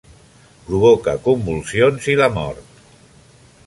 Provoca convulsions i la mort.